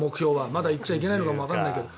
まだ言っちゃいけないのかもわからないけど。